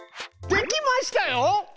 できましたよ！